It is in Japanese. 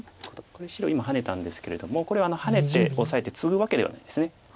これ白今ハネたんですけれどもこれはハネてオサえてツグわけではないです。